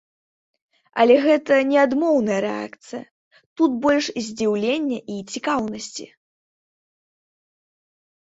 Але гэта не адмоўная рэакцыя, тут больш здзіўлення і цікаўнасці.